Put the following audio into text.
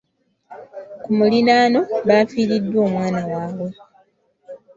Ku muliraano baafiiriddwa omwana waabwe.